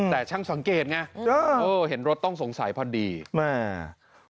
แต่ช่างสังเกตนะเห็นรถต้องสงสัยพอดีมาก